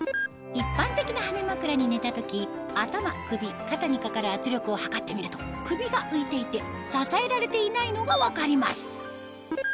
一般的な羽根まくらに寝た時頭首肩にかかる圧力を測ってみると首が浮いていて支えられていないのが分かります